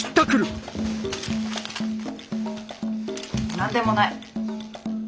何でもない！